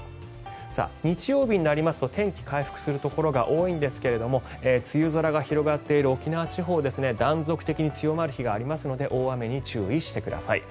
日曜日になりますと天気が回復するところが多いんですが梅雨空が広がっている沖縄地方は断続的に強まる日がありますので大雨に注意してください。